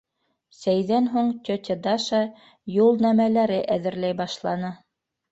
Сәйҙән һуң тетя Даша юл нәмәләре әҙерләй башланы.